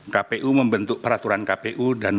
saya akan membuat peraturan yang terkait dengan